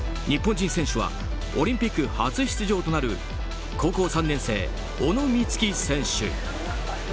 日本人選手はオリンピック初出場となる高校３年生、小野光希選手。